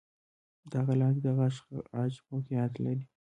د هغه لاندې د غاښ عاج موقعیت لري.